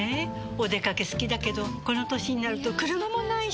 お出かけ好きだけどこの歳になると車もないし。